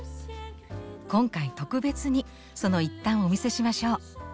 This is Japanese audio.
今回特別にその一端をお見せしましょう。